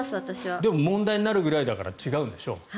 でも、問題になるぐらいだから違うんでしょう。